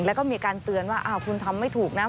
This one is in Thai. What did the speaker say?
แล้วก็มีการเตือนว่าคุณทำไม่ถูกนะ